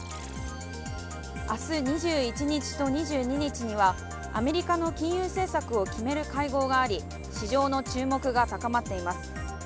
明日２１日と２２日には、アメリカの金融政策を決める会合があり、市場の注目が高まっています。